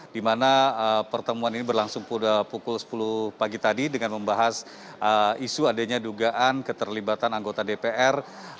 di mana pertemuan ini berlangsung pukul sepuluh pagi tadi dengan membahas isu adanya dugaan keterlibatan anggota dpr